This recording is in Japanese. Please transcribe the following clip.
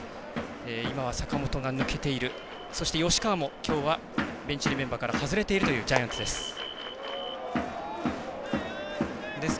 今は坂本が抜けているそして、吉川もきょうはベンチ入りメンバーから外れているジャイアンツです。